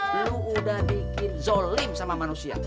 lo udah bikin zolim sama manusia